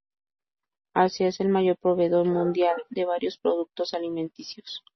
Asia es el mayor proveedor mundial de varios productos alimenticios.